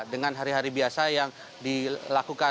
dengan hari hari biasa yang dilakukan